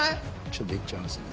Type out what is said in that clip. ちょっといっちゃいますね